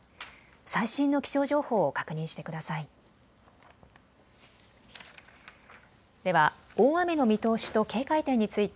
最新の気象情報を確認してください。